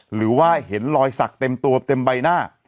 หรือว่าเห็นรอยสักเต็มตัวเต็มใบหน้า